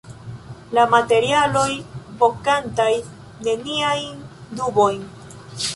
La materialoj, vokantaj neniajn dubojn.